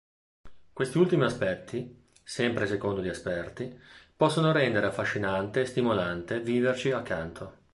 Questi ultimi aspetti, sempre secondo gli esperti, possono rendere affascinante e stimolante viverci accanto.